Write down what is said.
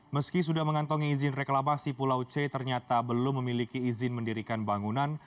meski sudah mengantongi izin reklamasi pulau c ternyata belum memiliki izin mendirikan bangunan